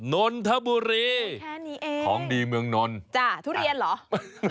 นนทบุรีของดีเมืองนนแค่นี้เอง